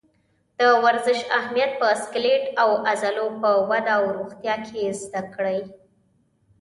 د ورزش اهمیت په سکلیټ او عضلو په وده او روغتیا کې زده کړئ.